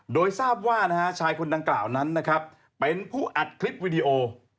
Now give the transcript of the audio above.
โดยทราบว่าชายคนดังกล่าวนั้นนะครับเป็นผู้อัดคลิปวิดีโอ